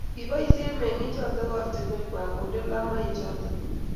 kiboisie meng'ichoto ortinwekwach koonda talamoichoto